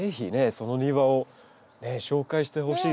その庭を紹介してほしいですね。